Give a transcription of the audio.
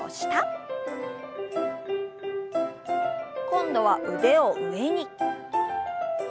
今度は腕を上に。